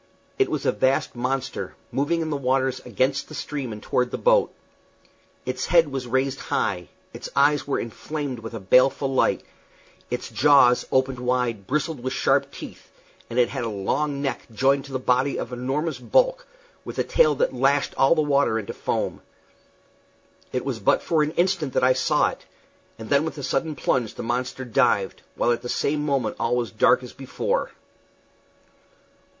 It was a vast monster, moving in the waters against the stream and toward the boat. Its head was raised high, its eyes were inflamed with a baleful light, its jaws, opened wide, bristled with sharp teeth, and it had a long neck joined to a body of enormous bulk, with a tail that lashed all the water into foam. It was but for an instant that I saw it, and then with a sudden plunge the monster dived, while at the same moment all was as dark as before.